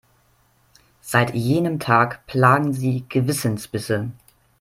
Seit jenem Tag plagen sie Gewissensbisse.